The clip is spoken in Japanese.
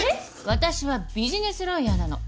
私はビジネスロイヤーなの。